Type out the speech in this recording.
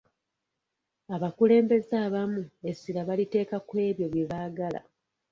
Abakulembeze abamu essira baliteeka kw'ebyo bye baagala.